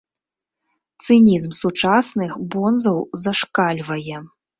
Цынізм сучасных бонзаў зашкальвае.